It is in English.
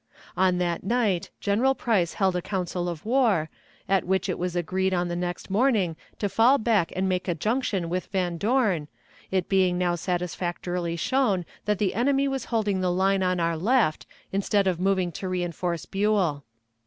On that night General Price held a council of war, at which it was agreed on the next morning to fall back and make a junction with Van Dorn, it being now satisfactorily shown that the enemy was holding the line on our left instead of moving to reënforce Buell.